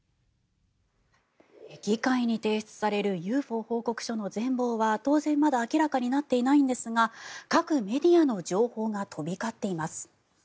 議会に提出されるＵＦＯ報告書の全ぼうは当然、まだ明らかになっていないんですが各メディアの情報が飛び交っています。